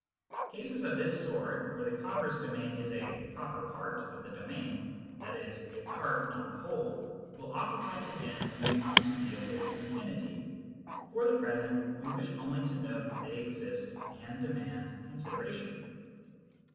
Cases of this sort, where the converse domain is a " proper part " of the domain (i.e. a part not the whole), will occupy us again when we come to deal with infinity. For the present, we wish only to note that they exist and demand consideration.